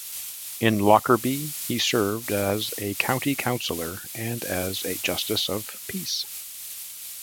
In Lockerbie, he served as a County Councillor and as a Justice of Peace.